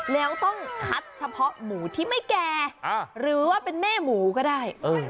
แล้วต้องคัดเฉพาะหมูที่ไม่แก่หรือว่าเป็นแม่หมูก็ได้